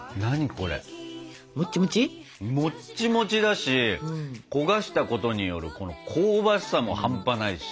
もっちもち？もっちもちだし焦がしたことによる香ばしさも半端ないし。